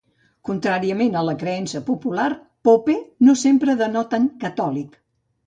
Contràriament a la creença popular, "Pope" no sempre denoten "catòlic.